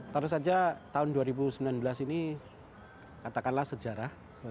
terus saja tahun dua ribu sembilan belas ini katakanlah sejarah